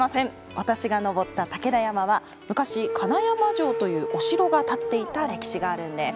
私が登った武田山は昔銀山城というお城が建っていた歴史があるんです。